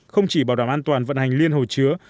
không chỉ bảo đảm an toàn vận hành liên hồ chứa